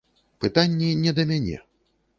Пытанні не да мяне.